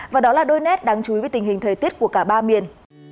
và đó là đôi nét đáng chú ý về tình hình thời tiết của cả ba miền